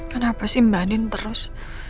kenapa sih mbak din terus